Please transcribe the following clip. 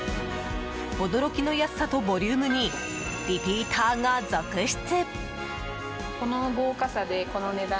驚きの安さとボリュームにリピーターが続出。